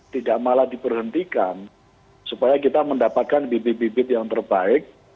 tidak malah diberhentikan supaya kita mendapatkan bibit bibit yang terbaik